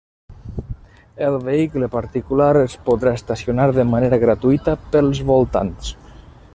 El vehicle particular es podrà estacionar de manera gratuïta pels voltants.